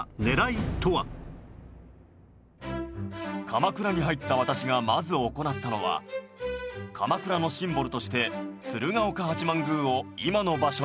鎌倉に入った私がまず行ったのは鎌倉のシンボルとして鶴岡八幡宮を今の場所に建てる事。